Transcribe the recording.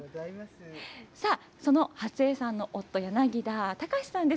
さあ、その初江さんの夫、柳田隆さんです。